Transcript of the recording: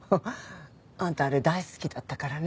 あんたあれ大好きだったからね。